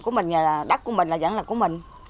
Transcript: của mình là đất của mình là vẫn là của mình